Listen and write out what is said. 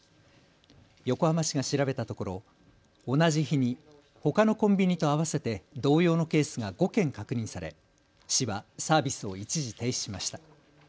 横浜市が調べたところ同じ日に、ほかのコンビニと合わせて同様のケースが５件確認され市はサービスを一時、停止しました。